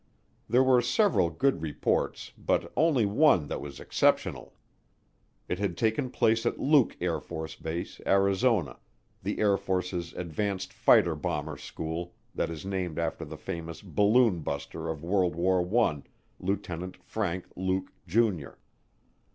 There were several good reports but only one that was exceptional. It had taken place at Luke AFB, Arizona, the Air Force's advanced fighter bomber school that is named after the famous "balloon buster" of World War I, Lieutenant Frank Luke, Jr.